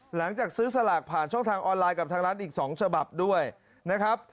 หลังจากซื้อสลากผ่านช่องทางออนไลน์กับทางร้านอีก๒ฉบับด้วยนะครับ